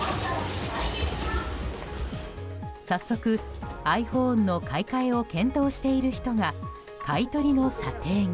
早速、ｉＰｈｏｎｅの買い替えを検討している人が買い取りの査定に。